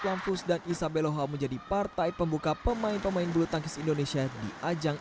lampus dan isabella menjadi partai pembuka pemain pemain bulu tangkis indonesia di ajang